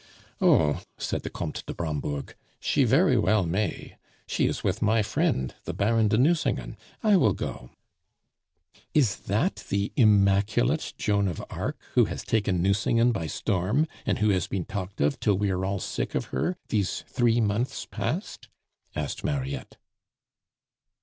"Oh!" said the Comte de Brambourg, "she very well may. She is with my friend the Baron de Nucingen I will go " "Is that the immaculate Joan of Arc who has taken Nucingen by storm, and who has been talked of till we are all sick of her, these three months past?" asked Mariette.